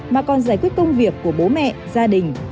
mà còn giải quyết công việc của bố mẹ gia đình